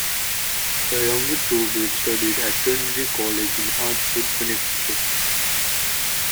The younger Trowbridge studied at Trinity College in Hartford, Connecticut.